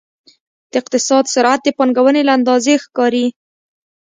د اقتصاد سرعت د پانګونې له اندازې ښکاري.